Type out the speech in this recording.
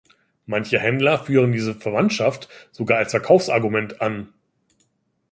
Manche Händler führen diese Verwandtschaft sogar als Verkaufsargument an.